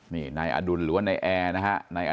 นี่นายอดุลหรือว่านายแอร์นะฮะ